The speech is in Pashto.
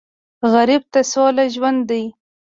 غریب ته سوله ژوند دی